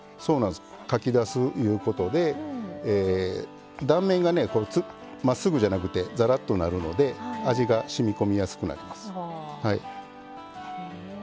かき出すいうことで断面がねまっすぐじゃなくてざらっとなるので味がしみ込みやすくなります。